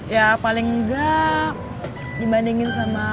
ya paling enggak dibandingin sama